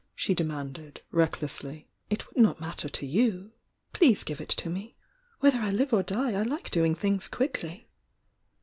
she demanded, recklessly. "It would not matter to you. Please give it to me! — ^Whether I live or die I like doing things quickly!"